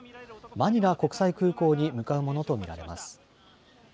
マニラ国際空港に向かうものと見られます。